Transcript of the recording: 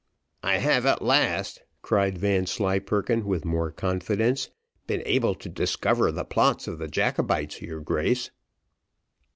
"I have at last," cried Vanslyperken, with more confidence, "been able to discover the plots of the Jacobites, your grace."